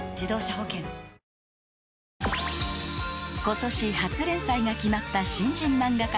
［今年初連載が決まった新人漫画家さん］